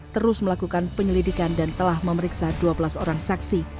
terus melakukan penyelidikan dan telah memeriksa dua belas orang saksi